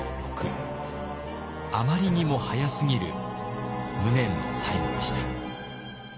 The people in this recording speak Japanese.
あまりにも早すぎる無念の最期でした。